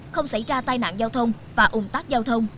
không xảy ra tai nạn giao thông và ủng tác giao thông